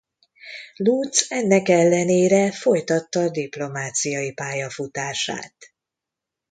Lutz ennek ellenére folytatta diplomáciai pályafutását.